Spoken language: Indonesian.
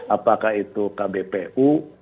apakah itu kbpu